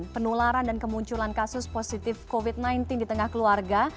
penularan dan kemunculan kasus positif covid sembilan belas di tengah keluarga